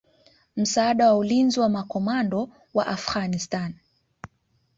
msaada wa ulinzi wa makomando wa Afghanistan